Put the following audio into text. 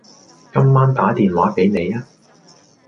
今晚打電話畀你吖